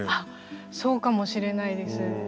そうかもしれないです。